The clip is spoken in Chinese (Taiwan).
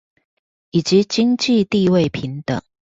以及經濟地位平等